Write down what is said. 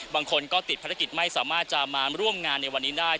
บางคนก็ติดภารกิจไม่สามารถจะมาร่วมงานในวันนี้ได้